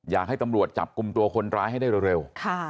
อยากให้ตำรวจจับกลุ่มตัวคนร้ายให้ได้เร็ว